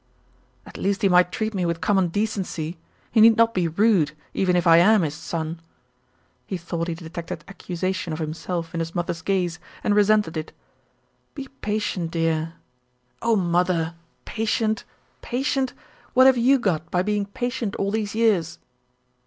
"At least he might treat me with common decency. He need not be rude, even if I am his son." He thought he detected accusation of himself in his mother's gaze and resented it. "Be patient, dear." "Oh, mother! Patient, patient! What have you got by being patient all these years?"